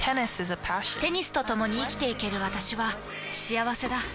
テニスとともに生きていける私は幸せだ。